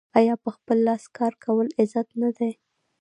آیا په خپل لاس کار کول عزت نه دی؟